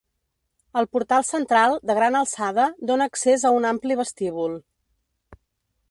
El portal central, de gran alçada, dóna accés a un ampli vestíbul.